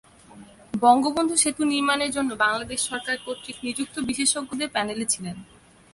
বঙ্গবন্ধু সেতু নির্মাণের জন্য বাংলাদেশ সরকার কর্তৃক নিযুক্ত বিশেষজ্ঞদের প্যানেলে ছিলেন।